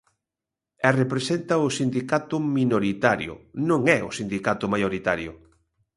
E representa o sindicato minoritario, non é o sindicato maioritario.